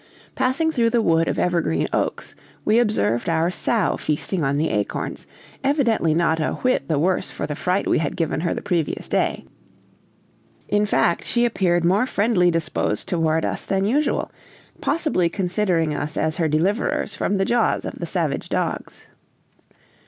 Passing through the wood of evergreen oaks, we observed our sow feasting on the acorns, evidently not a whit the worse for the fright we had given her the previous day in fact, she appeared more friendly disposed toward us than usual, possibly considering us as her deliverers from the jaws of the savage dogs.